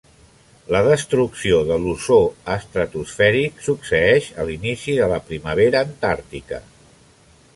La destrucció de l'ozó estratosfèric succeeix a l'inici de la primavera antàrtica.